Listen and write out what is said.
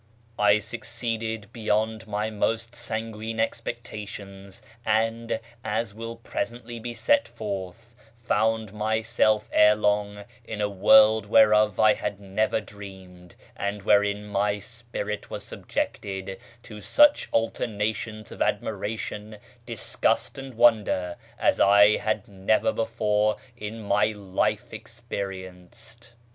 I succeeded beyond my most KIRMAN society 435 sanguine expectations, and, as will presently be set forth, found myself ere long in a world whereof I had never dreamed, and wherein my spirit was subjected to such alterna tions of admiration, disgust, and wonder, as I had never before in my life experienced.